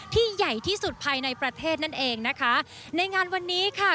ใหญ่ที่สุดภายในประเทศนั่นเองนะคะในงานวันนี้ค่ะ